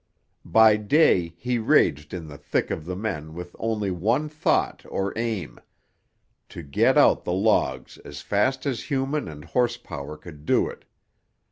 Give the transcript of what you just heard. By day he raged in the thick of the men with only one thought or aim—to get out the logs as fast as human and horse power could do it.